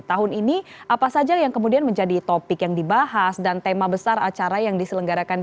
tahun ini apa saja yang kemudian menjadi topik yang dibahas dan tema besar acara yang diselenggarakan